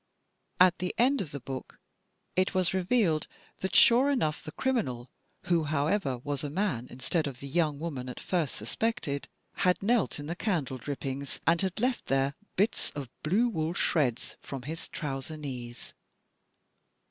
At the end of the book it was revealed that sure enough the criminal, who, however, was a man instead of the yoxmg woman at first suspected, had knelt in the candle drippings, and had left there bits of blue wool shreds from his trouser knees.